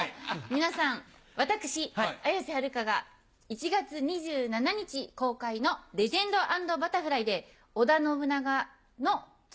皆さん私綾瀬はるかが１月２７日公開の『レジェンド＆バタフライ』で織田信長の妻